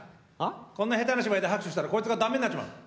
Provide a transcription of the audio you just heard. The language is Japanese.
こんな下手な芝居で拍手したらこいつがダメになっちまう。